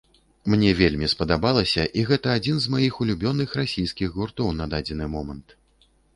Мне вельмі спадабалася, і гэта адзін з маіх улюбёных расійскіх гуртоў на дадзены момант.